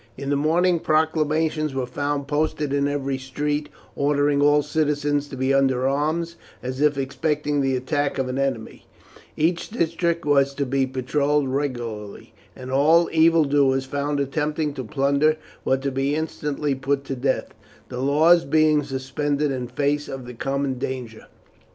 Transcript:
In the morning proclamations were found posted in every street, ordering all citizens to be under arms, as if expecting the attack of an enemy; each district was to be patrolled regularly, and all evildoers found attempting to plunder were to be instantly put to death, the laws being suspended in face of the common danger.